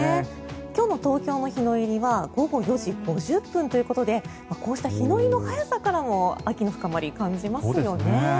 今日の東京の日の入りは午後４時５０分ということでこうした日の入りの早さからも秋の深まりを感じますよね。